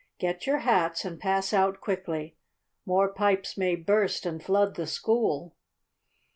Get your hats, and pass out quickly. More pipes may burst and flood the school.